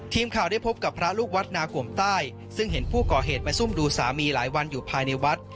ทีมข่าวได้พบกับพระลูกวัดนากลมใต้ซึ่งเห็นผู้ก่อเหตุมาซุ่มดูสามีหลายวันอยู่ภายในวัด